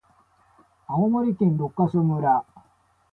青森県六ヶ所村